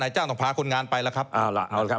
นายจ้างต้องพาคนงานไปแล้วครับ